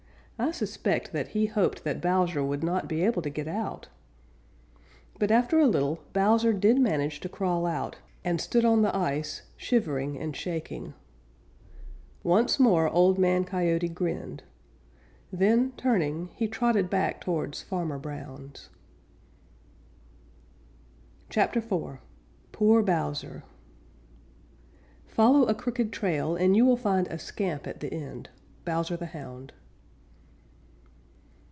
I suspect that he hoped that Bowser would not be able to get out. But after a little Bowser did manage to crawl out, and stood on the ice, shivering shaking. Once more Old Man Coyote grinned, then, turning, he trotted back towards Farmer Brown's. CHAPTER IV POOR BOWSER Follow a crooked trail and you will find a scamp at the end. _Bowser the Hound.